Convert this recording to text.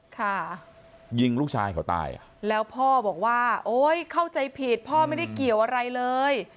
ค่ะยิงลูกชายเขาตายแล้วพ่อบอกว่าโอ๊ยเข้าใจผิดพ่อไม่ได้เกี่ยวอะไรเลย